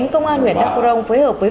công an huyện đắk cổ rông phối hợp với